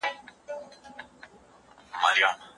لوبې د بدن د سلامتیا او روغتیا لپاره اړینې دي.